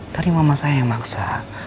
tadi mama saya yang maksa